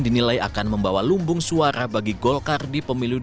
dinilai akan membawa lumbung suara bagi golkar di pemilu dunia